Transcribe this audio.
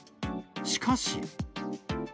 しかし。